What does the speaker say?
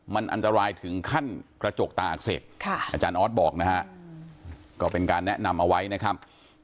มันอันตรายถึงขั้นกระจกตาอักเสบอาจารย์ออสบอกนะฮะก็เป็นการแนะนำเอาไว้นะครับ